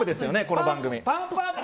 この番組。